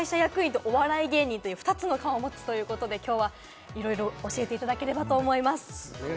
投資本が６０万部超えのベストセラー、ＩＴ会社役員とお笑い芸人という２つの顔を持つということで今日は、いろいろ教えていただければと思います。